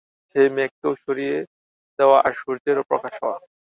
সেই মেঘকেও সরিয়ে দেওয়া আর সূর্যেরও প্রকাশ হওয়া।